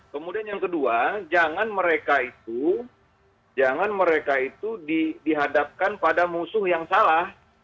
kemudian yang kedua jangan mereka itu dihadapkan pada musuh yang salah